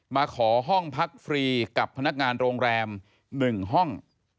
มาขอห้องพักฟรีกับพนักงานโรงแรม๑ห้อง